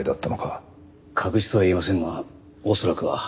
確実とは言えませんが恐らくは。